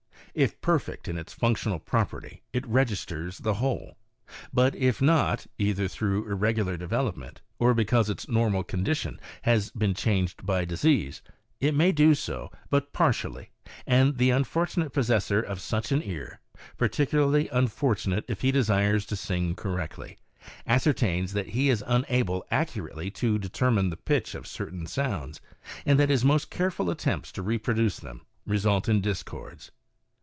If perfect in its functional property it registers the whole ; but if not, either through irregular development, or because its normal condition has been changed by disease, it may do so but partially, and the un fortunate possessor of such an ear, particularly unfortunate if he desires to sing correctly, ascertains that he is unable accu rately to determine the pitch of certain sounds, and that his most careful attempts to reproduce them result in discords.